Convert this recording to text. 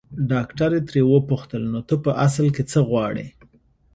ډاکټر ترې وپوښتل نو ته په اصل کې څه غواړې.